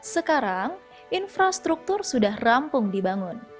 sekarang infrastruktur sudah rampung dibangun